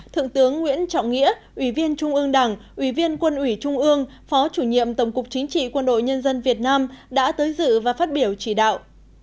thượng tướng nguyễn trọng nghĩa ủy viên trung ương đảng ủy viên quân ủy trung ương phó chủ nhiệm tổng cục chính trị quân đội nhân dân việt nam đã tới dự và phát biểu chỉ đạo